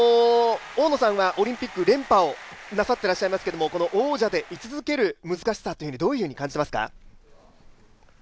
大野さんはオリンピック連覇をなさっていらっしゃいますけども、王者でい続ける難しさはどう感じていますか？